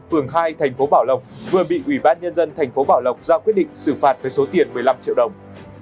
phường hai thành phố bảo lộc vừa bị ubnd thành phố bảo lộc ra quyết định xử phạt với số tiền một mươi năm triệu đồng